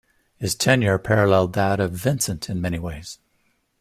His tenure paralleled that of Vincent in many ways.